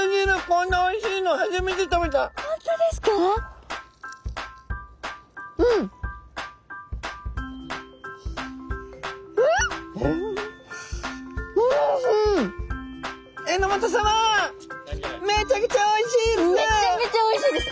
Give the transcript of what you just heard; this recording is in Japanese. めちゃくちゃおいしいっす！